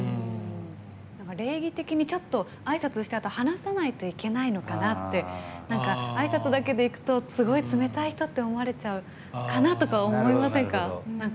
礼儀的に、ちょっとあいさつしちゃうと話さないといけないのかなってあいさつだけでいくとすごい冷たい人って思われちゃうかな？とか思いませんか？